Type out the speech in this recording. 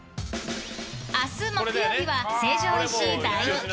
明日、木曜日は成城石井大人気